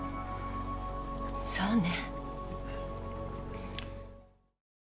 そうね。